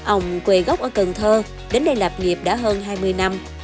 ông quầy gốc ở cần thơ đến đây lạp nghiệp đã hơn hai mươi năm